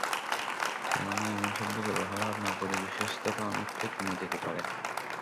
কেননা এমন শব্দ ব্যবহারে আপনার প্রতি বিশ্বস্ততা অনেকটাই কমে যেতে পারে।